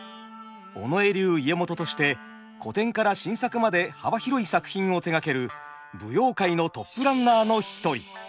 尾上流家元として古典から新作まで幅広い作品を手がける舞踊界のトップランナーの一人。